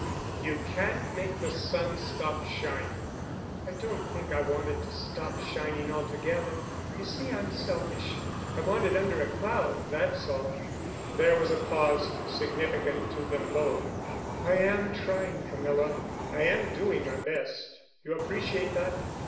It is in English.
"You can't make the sun stop shining." "I don't think I want it to stop shining altogether. You see, I'm selfish. I want it under a cloud, that's all." There was a pause—significant to them both. "I am trying, Camilla. I am doing my best. You appreciate that?"